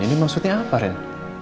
ini maksudnya apa ren